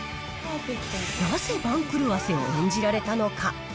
なぜ番狂わせを演じられたのか。